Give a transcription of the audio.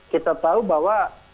kita tahu bahwa